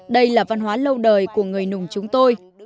đây là văn hóa lâu đời của người nùng chúng tôi